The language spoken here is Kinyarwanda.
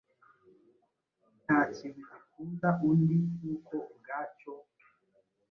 Ntakintu gikunda undi nkuko ubwacyo,